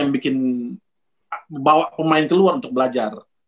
bawa pemain keluar untuk belajar